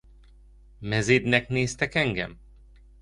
Mezidnek néztek engem?